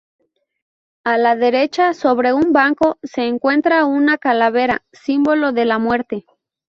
A la derecha, sobre un banco, se encuentra una calavera, símbolo de la muerte.